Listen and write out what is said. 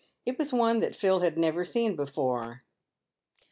It was one that Phil had never seen before.